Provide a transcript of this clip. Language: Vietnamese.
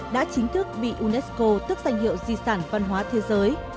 đã chính thức bị unesco tức danh hiệu di sản văn hóa thế giới